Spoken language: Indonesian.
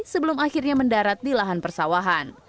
sebelum akhirnya mendarat di lahan persawahan